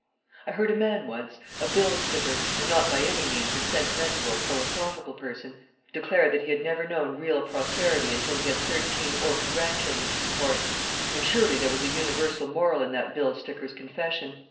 I heard a man once a bill sticker, and not by any means a sentimental or philosophical person declare that he had never known real prosperity until he had thirteen orphan grandchildren to support; and surely there was a universal moral in that bill sticker's confession.